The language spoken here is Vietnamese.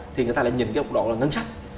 thì người ta lại nhìn cái góc độ ngân sách